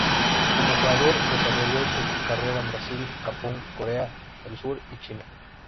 Como jugador desarrolló su carrera en Brasil, Japón, Corea del Sur y China.